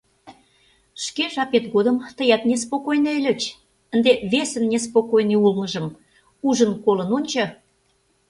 — Шке жапет годым тыят неспокойный ыльыч, ынде весын неспокойный улмыжым ужын-колын ончо.